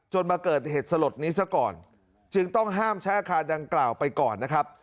มาเกิดเหตุสลดนี้ซะก่อนจึงต้องห้ามใช้อาคารดังกล่าวไปก่อนนะครับ